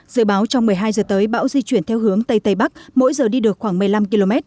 dự báo trong một mươi hai giờ tới bão di chuyển theo hướng tây tây bắc mỗi giờ đi được khoảng một mươi năm km